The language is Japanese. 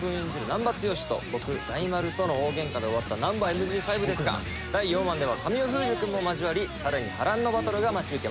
難破剛と僕大丸との大ゲンカで終わった『ナンバＭＧ５』ですが第４話では神尾楓珠君も交わりさらに波乱のバトルが待ち受けます。